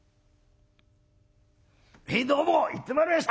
「へいどうも行ってまいりました。